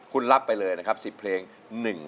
คุณรับไปเลยนะครับ๑๐เพลง